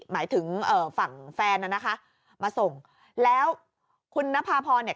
หมายถึงเอ่อฝั่งแฟนน่ะนะคะมาส่งแล้วคุณนภาพรเนี่ย